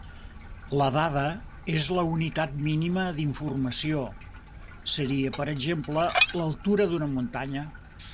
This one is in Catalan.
La dada és la unitat mínima d'informació, seria per exemple l'altura d'una muntanya.